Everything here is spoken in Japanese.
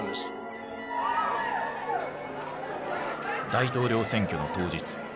大統領選挙の当日。